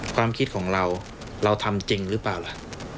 ความคิดของเราเราทำจริงหรือเปล่าล่ะ